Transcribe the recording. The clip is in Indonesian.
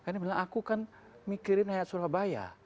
dia bilang aku kan mikirin rakyat surabaya